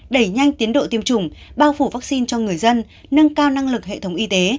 đẩy nhanh tiến độ tiêm chủng bao phủ vaccine cho người dân nâng cao năng lực hệ thống y tế